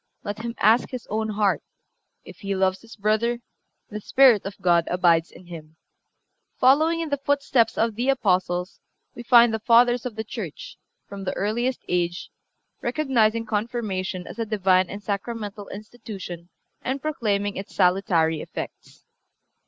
Let him ask his own heart; if he loves his brother, the Spirit of God abides in him."(358) Following in the footsteps of the Apostles we find the Fathers of the Church, from the earliest age, recognizing Confirmation as a Divine and sacramental institution and proclaiming its salutary effects.